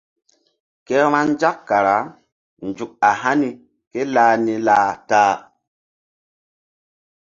Ke vbanzak kara nzuk a hani ké lah ni lah ta-a.